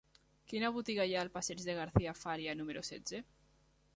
Quina botiga hi ha al passeig de Garcia Fària número setze?